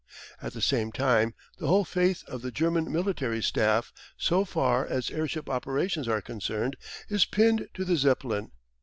At the same time the whole faith of the German military staff so far as airship operations are concerned, is pinned to the Zeppelin.